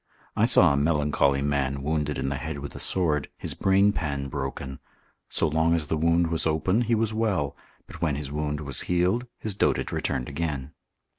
I saw a melancholy man wounded in the head with a sword, his brainpan broken; so long as the wound was open he was well, but when his wound was healed, his dotage returned again.